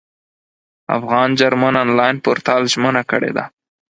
افغان جرمن انلاین پورتال ژمنه کړې ده.